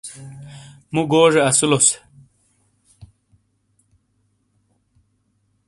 مُو گوجے اسیلوس۔